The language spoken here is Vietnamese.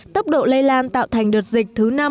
tốc độ lây lan tạo thành đợt dịch thứ năm